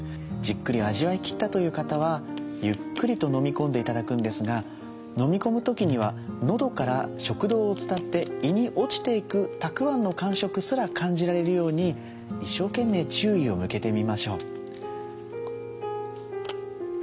じっくり味わいきったという方はゆっくりと飲み込んで頂くんですが飲み込む時には喉から食道を伝って胃に落ちていくたくあんの感触すら感じられるように一生懸命注意を向けてみましょう。